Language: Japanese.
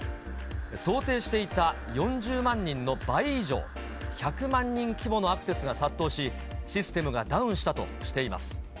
想定していた４０万人の倍以上、１００万人規模のアクセスが殺到し、システムがダウンしたとしています。